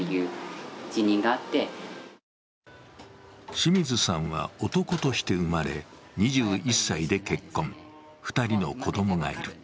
清水さんは男として生まれ、２１歳で結婚、２人の子供がいる。